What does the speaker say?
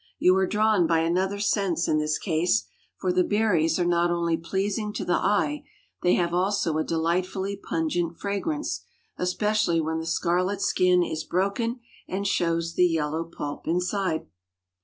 You are drawn by another sense in this case, for the berries are not only pleasing to the eye; they have also a delightfully pungent fragrance, especially when the scarlet skin is broken, and shows the yellow pulp inside.